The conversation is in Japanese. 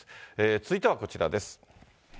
続いてはこちらです。